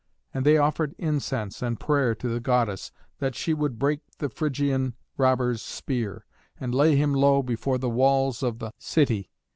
And they offered incense and prayer to the goddess, that she would break the Phrygian robber's spear, and lay him low before the walls of the city.